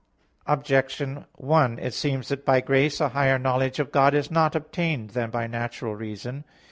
Objection 1: It seems that by grace a higher knowledge of God is not obtained than by natural reason.